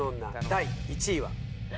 第１位は。